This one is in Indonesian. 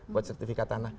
buat sertifikat tanah